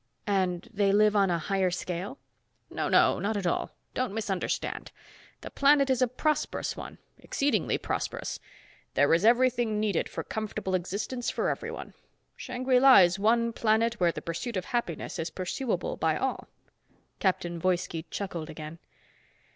"And they live on a higher scale?" "No, no, not at all. Don't misunderstand. The planet is a prosperous one. Exceedingly prosperous. There is everything needed for comfortable existence for everyone. Shangri La is one planet where the pursuit of happiness is pursuable by all." Captain Woiski chuckled again.